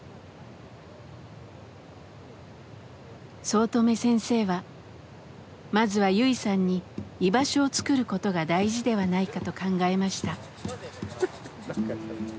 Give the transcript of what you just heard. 早乙女先生はまずはユイさんに居場所を作ることが大事ではないかと考えました。